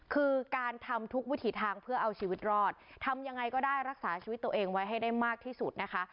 คือการทำทุกวิถีทางเพื่อเอาชีวิตรอดทำยังไงก็ได้รักษาชีวิตตัวเองไว้ให้ได้มากที่สุดนะคะ